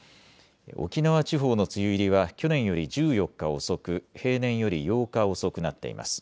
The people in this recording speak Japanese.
沖縄地方の梅雨入りは去年より１４日遅く、平年より８日遅くなっています。